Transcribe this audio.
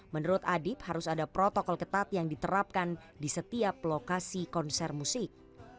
menurut adib harus ada protokol ketat yang diterapkan di setiap lokasi konser musik